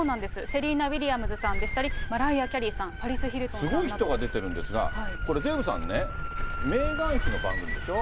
セリーナ・ウィリアムズさんだったり、マライア・キャリーさん、パリス・ヒルトンさんとか。すごい人が出てるんですが、これ、デーブさんね、メーガン妃の番組でしょ。